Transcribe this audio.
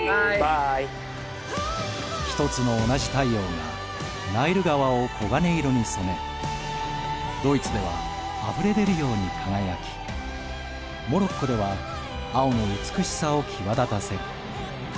一つの同じ太陽がナイル川を黄金色に染めドイツではあふれ出るように輝きモロッコでは青の美しさを際立たせる。